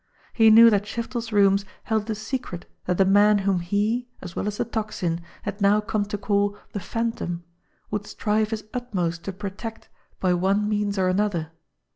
He knew that Shiftel's rooms held a secret that the man whom he, as well as the Tocsin, had now come to call the Phantom would strive his utmost to protect by one means or another.